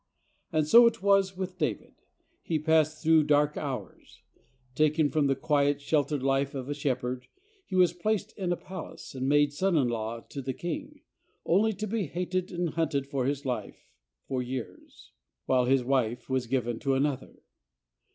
And so it was with David. He passed through dark hours. Taken from the quiet, sheltered life of a shepherd, he was placed in a palace and made son in law to the king, only to be hated and hunted for his life for years, while his wife was given to another.